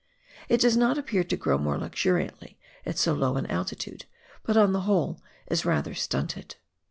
It does not appear to grow more luxuriantly at so low an altitude, but on the whole is rather stunted.